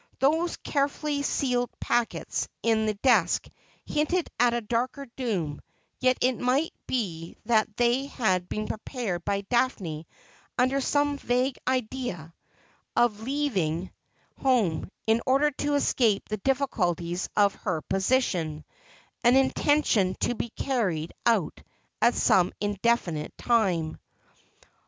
Those carefully sealed packets in the desk hinted at a darker doom ; yet it might be that they had been prepared by Daphne under some vague idea of leaving 'Is there no Grace? is there no Semedie ?' 371 home, in order to escape the difficulties of her position ; an intention to be carried out at some indefinite time.